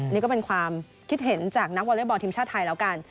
นี่ก็เป็นความคิดเห็นจากนักวอเล็กบอลทีมชาติไทยแล้วกัน